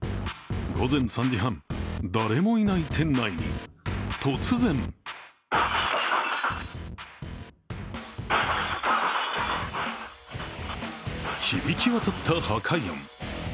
午前３時半、誰もいない店内に突然響き渡った破壊音。